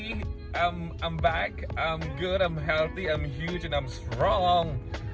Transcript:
saya kembali saya baik saya sehat saya besar dan saya kuat